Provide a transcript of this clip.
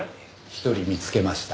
１人見つけました。